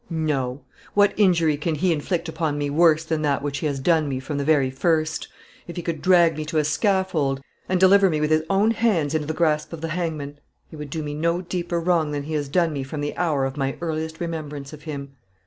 No; what injury can he inflict upon me worse than that which he has done me from the very first? If he could drag me to a scaffold, and deliver me with his own hands into the grasp of the hangman, he would do me no deeper wrong than he has done me from the hour of my earliest remembrance of him.